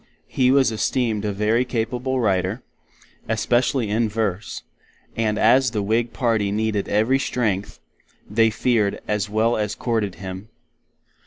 He was esteemed a very capable writer, especially in verese; and as the Whig party needed every Strenght, they feared, as well as courted Him.